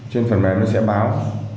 trên phần mềm nó sẽ báo